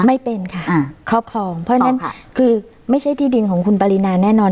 ไม่เป็นค่ะอ่าครอบครองเพราะฉะนั้นคือไม่ใช่ที่ดินของคุณปรินาแน่นอน